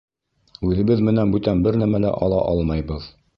— Үҙебеҙ менән бүтән бер нәмә лә ала алмайбыҙ.